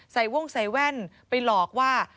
วงใส่แว่นไปหลอกว่า